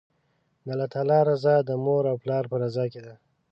د الله تعالی رضا، د مور او پلار په رضا کی ده